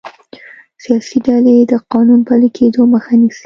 سیاسي ډلې د قانون پلي کیدو مخه نیسي